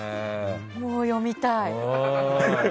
もう読みたい。